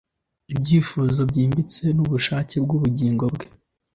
Ibyifuzo byimbitse nubushake bwubugingo bwe